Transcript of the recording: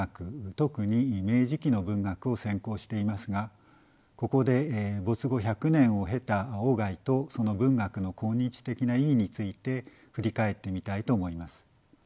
特に明治期の文学を専攻していますがここで没後１００年を経た外とその文学の今日的な意義について振り返ってみたいと思います。